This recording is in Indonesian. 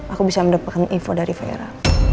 aku bisa mendapatkan info dari vera